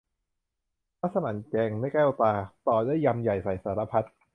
มัสหมั่นแกงแก้วตา ต่อด้วยยำใหญ่ใส่สารพัด